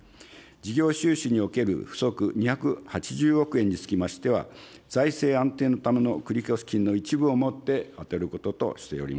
事業収支における不足２８０億円につきましては、財政安定のための繰越金の一部をもって充てることとしております。